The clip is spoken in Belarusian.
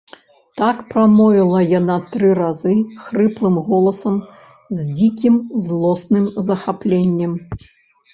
Так прамовіла яна тры разы хрыплым голасам з дзікім, злосным захапленнем.